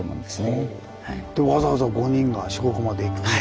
でわざわざ５人が四国まで行くんですか。